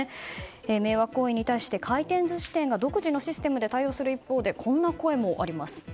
迷惑行為に対して回転寿司店が独自のシステムが対応する一方でこんな声もあります。